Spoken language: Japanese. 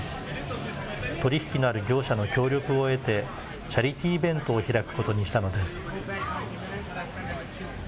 取り引きのある業者の協力を得て、チャリティーイベントを開くことにしたのです。